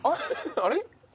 あれ？